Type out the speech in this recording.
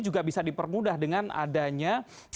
juga bisa dipermudah dengan adanya